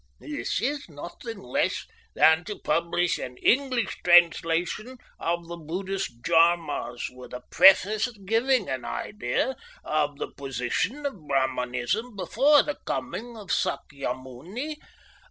This is nothing less than to publish an English translation of the Buddhist Djarmas, with a preface giving an idea of the position of Brahminism before the coming of Sakyamuni.